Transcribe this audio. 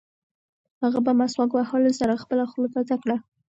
هغه په مسواک وهلو سره خپله خوله تازه کړه.